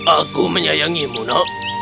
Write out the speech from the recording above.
aku menyayangimu nak